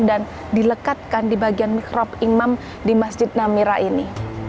dan dilekatkan di bagian mikrob imam di masjid namira ini